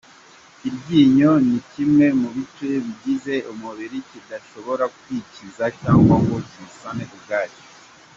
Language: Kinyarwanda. Iryinyo ni kimwe mu bice bigize umubiri kidashobora kwikiza cyangwa ngo kisane ubwacyo.